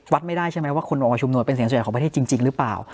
วัดไม่ได้ใช่ไหมว่าคนออกมาชุมนุมเป็นเสียงส่วนใหญ่ของประเทศจริงหรือเปล่า